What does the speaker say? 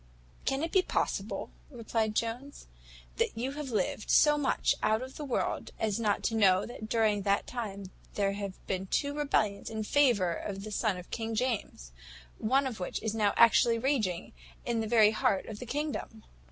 "Can it be possible," replied Jones, "that you have lived so much out of the world as not to know that during that time there have been two rebellions in favour of the son of King James, one of which is now actually raging in the very heart of the kingdom."